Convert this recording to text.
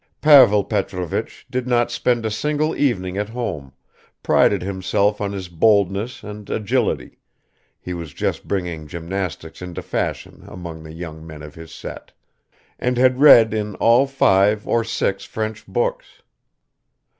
Pavel Petrovich did not spend a single evening at home, prided himself on his boldness and agility (he was just bringing gymnastics into fashion among the young men of his set), and had read in all five or six French books.